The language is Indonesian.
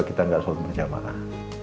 kita gak selalu berjamaah